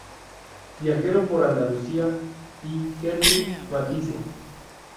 Viajero por Andalucía" y "Henri Matisse.